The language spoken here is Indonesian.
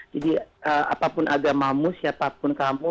jadi apapun agamamu siapapun kamu